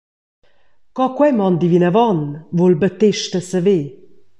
Co quei mondi vinavon, vul Battesta saver.